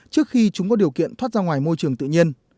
trước khi chúng có điều kiện thoát ra ngoài môi trường tự nhiên